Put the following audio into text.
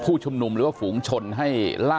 พี่ขอไปร้องข้างในก่อน